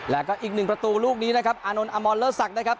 แล้วก็อีกหนึ่งประตูลูกนี้นะครับอานนท์อมอนเลอร์ศักดิ์นะครับ